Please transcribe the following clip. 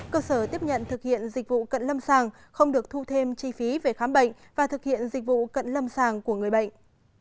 cơ sở tiếp nhận thực hiện dịch vụ cận lâm sàng không được thu thêm chi phí về khám bệnh và thực hiện dịch vụ cận lâm sàng của người bệnh